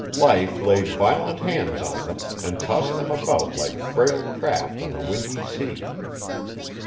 Life laid violent hands on them and tossed them about like frail craft on a windy sea.